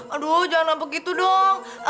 aduh jangan begitu dong